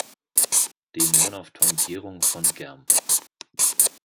Die Monophthongierung von germ.